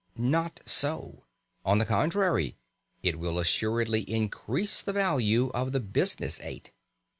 Not so. On the contrary, it will assuredly increase the value of the business eight.